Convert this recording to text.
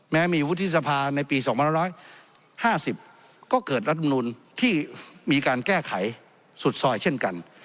แม้มีวุฒิสภาในปี๒๑๕๐ก็เกิดรัฐมนุนที่มีการแก้ไขสุดซอยเช่นกัน